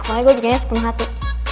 soalnya gue jadinya sepenuh hati